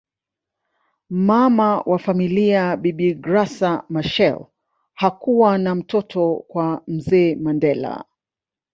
Mama wa familia bibi Graca Michael hakuwa na mtoto kwa mzee Mandela